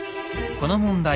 この問題。